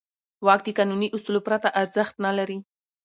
واک د قانوني اصولو پرته ارزښت نه لري.